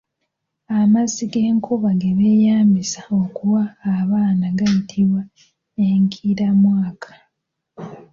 Amazzi g’enkuba ge beeyambisa okuwa abaana gayitibwa Enkiramwaka.